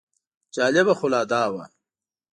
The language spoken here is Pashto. جالبه خو لا دا وه.